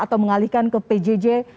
atau mengalihkan ke pjj